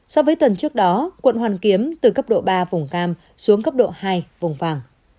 so với tuần trước đó quận hoàn kiếm từ cấp độ ba vùng cam xuống cấp độ hai vùng vàng